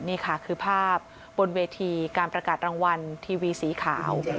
นี่ค่ะคือภาพบนเวทีการประกาศรางวัลทีวีสีขาว